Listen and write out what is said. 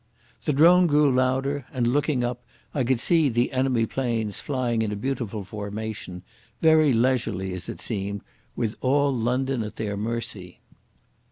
The drone grew louder, and, looking up, I could see the enemy planes flying in a beautiful formation, very leisurely as it seemed, with all London at their mercy.